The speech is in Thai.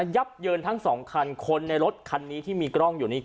ับเยินทั้งสองคันคนในรถคันนี้ที่มีกล้องอยู่นี่